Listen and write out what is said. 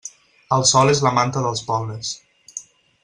El sol és la manta dels pobres.